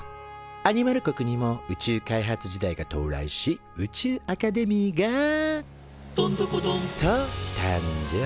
アニマル国にも宇宙開発時代が到来し宇宙アカデミーが「どんどこどん！」と誕生。